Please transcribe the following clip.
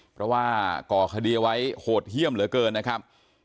เพราะว่าก่อคดีเอาไว้โหดเยี่ยมเหลือเกินนะครับ